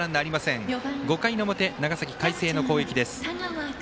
５回の表、長崎の海星の攻撃です。